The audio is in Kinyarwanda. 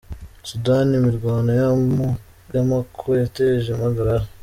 Sudani Imirwano y’amako yateje impagarara